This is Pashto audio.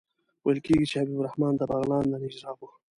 ویل کېږي چې حبیب الرحمن د بغلان د نجراب وو.